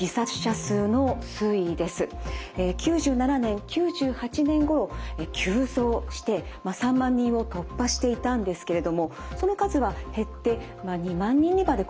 ９７年９８年ごろ急増して３万人を突破していたんですけれどもその数は減って２万人にまで落ち着いていました。